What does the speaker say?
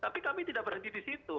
tapi kami tidak berhenti di situ